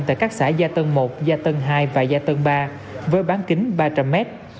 tại các xã gia tân một gia tân hai và gia tân ba với bán kính ba trăm linh mét